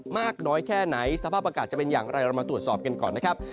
มากน้อยแค่ไหนสภาพอากาศจะเป็นอย่างไรเรามาตรวจสอบกันก่อนนะครับ